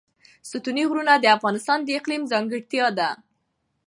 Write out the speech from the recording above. ستوني غرونه د افغانستان د اقلیم ځانګړتیا ده.